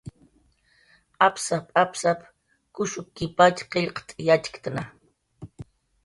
"Apsap"" apsap kushukkipatx qillqt' yatxkna"